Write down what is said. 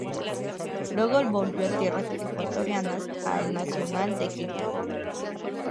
Luego volvió a tierras ecuatorianas, a El Nacional de Quito.